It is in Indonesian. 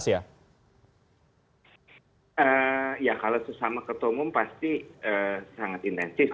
ya kalau sesama ketumum pasti sangat intensif